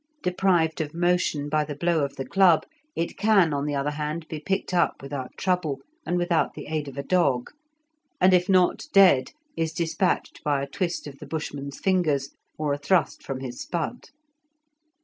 Deprived of motion by the blow of the club, it can, on the other hand, be picked up without trouble and without the aid of a dog, and if not dead is despatched by a twist of the Bushman's fingers or a thrust from his spud.